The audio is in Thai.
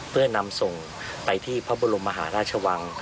เพื่อนำส่งไปที่พระบรมมหาราชวัง